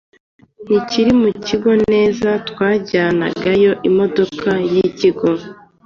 ntikiri mu kigo neza twajyagayo n'imodoka y'ikigo